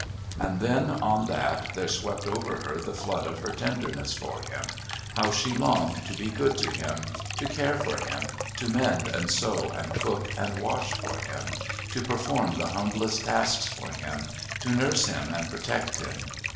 And then, on that, there swept over her the flood of her tenderness for him, how she longed to be good to him, to care for him, to mend and sew and cook and wash for him, to perform the humblest tasks for him, to nurse him and protect him.